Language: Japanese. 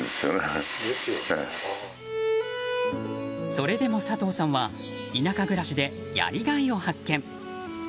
それでも佐藤さんは田舎暮らしでやりがいを発見。